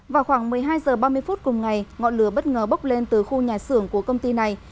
vào khoảng một mươi hai h ba mươi phút cùng ngày ngọn lửa bất ngờ bốc lên từ khu nhà xưởng của công ty này